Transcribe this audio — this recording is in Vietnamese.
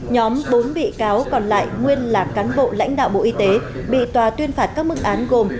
nhóm bốn bị cáo còn lại nguyên là cán bộ lãnh đạo bộ y tế bị tòa tuyên phạt các mức án gồm